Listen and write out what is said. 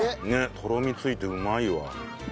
とろみついてうまいわ。